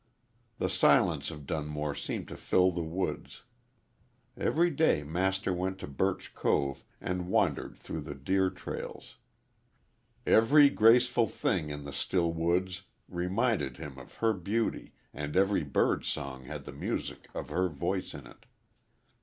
The silence of Dunmore seemed to fill the woods. Every day Master went to Birch Cove and wandered through the deer trails. Every graceful thing in the still woods reminded him of her beauty and every bird song had the music of her voice in it.